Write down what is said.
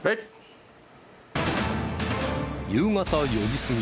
夕方４時過ぎ。